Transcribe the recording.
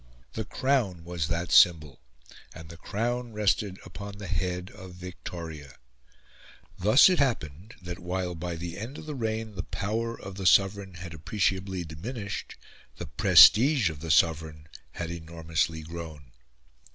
The Crown was that symbol: and the Crown rested upon the head of Victoria. Thus it happened that while by the end of the reign the power of the sovereign had appreciably diminished, the prestige of the sovereign had enormously grown.